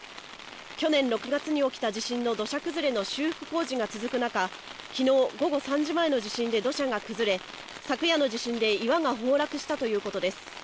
去年６月に起きた地震の土砂崩れの修復工事が続く中、昨日、午後３時前の地震で土砂が崩れ昨夜の地震で岩が崩落したということです。